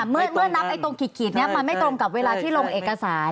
เมื่อนับตรงขีดนี้มันไม่ตรงกับเวลาที่ลงเอกสาร